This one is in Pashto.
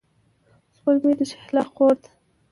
سپوږمۍ د شهلا خور ده.